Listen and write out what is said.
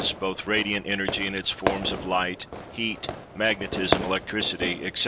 both Radiant Energy in its forms of Light, Heat, Magnetism, Electricity, etc.